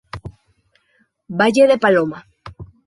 Valle de Paloma